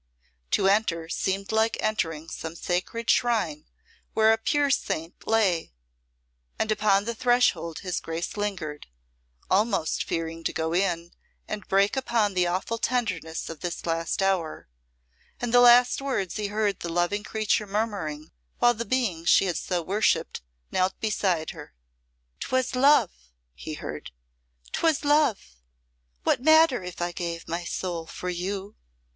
To enter seemed like entering some sacred shrine where a pure saint lay, and upon the threshold his Grace lingered, almost fearing to go in and break upon the awful tenderness of this last hour, and the last words he heard the loving creature murmuring, while the being she had so worshipped knelt beside her. "'Twas love," he heard, "'twas love. What matter if I gave my soul for you?"